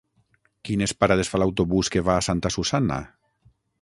Quines parades fa l'autobús que va a Santa Susanna?